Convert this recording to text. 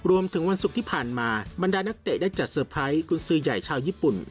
วันศุกร์ที่ผ่านมาบรรดานักเตะได้จัดเตอร์ไพรสกุญสือใหญ่ชาวญี่ปุ่น